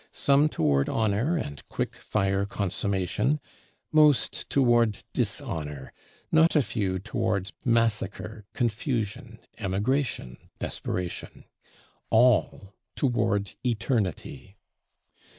Some toward honor and quick fire consummation; most toward dishonor; not a few toward massacre, confusion, emigration, desperation: all toward Eternity!